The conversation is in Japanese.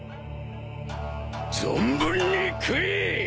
存分に食え！